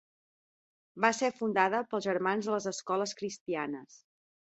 Va ser fundada pels Germans de les Escoles Cristianes.